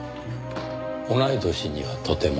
同い年にはとても。